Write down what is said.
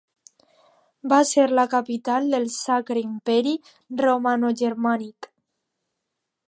Va ser la capital del Sacre Imperi Romanogermànic.